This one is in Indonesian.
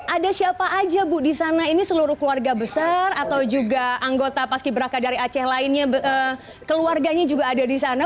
ada siapa aja bu di sana ini seluruh keluarga besar atau juga anggota paski beraka dari aceh lainnya keluarganya juga ada di sana